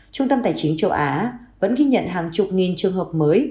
trung tâm tài chính châu á vẫn ghi nhận hàng chục nghìn trường hợp mới